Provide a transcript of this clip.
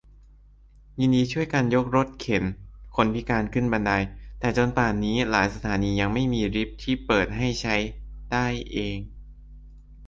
ยินดีช่วยกันยกรถเข็นคนพิการขึ้นบันได -แต่จนป่านนี้ หลายสถานียังไม่มีลิฟต์ที่เปิดให้ใช้ได้เอง